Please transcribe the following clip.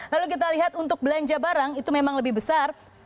lalu kita lihat untuk belanja barang itu memang lebih besar